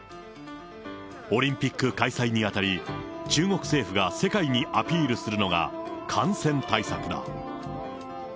オリンピック開催にあたり、中国政府が世界にアピールするのが感染対策だ。